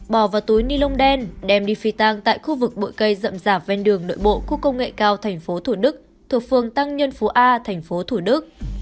bỏ vào túi nilon đen đem đi phi tăng tại khu vực bội cây rậm rạp ven đường nội bộ của công nghệ cao tp thủ đức thuộc phường tăng nhân phú a tp thủ đức